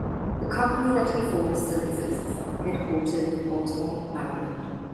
The company that he formed still exists, headquartered in Baltimore, Maryland.